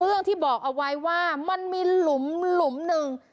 เรื่องที่บอกเอาไว้ว่ามันมีหลุมหนึ่ง